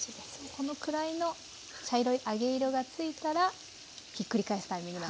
このくらいの茶色い揚げ色が付いたらひっくり返すタイミングなんですね。